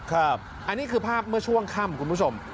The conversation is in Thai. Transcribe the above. อันนี้คือภาพเมื่อช่วงค่ำคุณผู้ชม